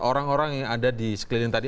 orang orang yang ada di sekeliling tadi